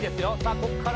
ここから